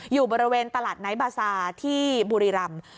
อยู่บริเวณตลาดไนท์บาซาที่บุรีรำ